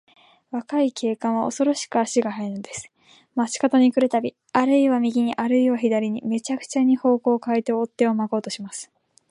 若い警官は、おそろしく足が早いのです。町かどに来るたび、あるいは右に、あるいは左に、めちゃくちゃに方角をかえて、追っ手をまこうとします。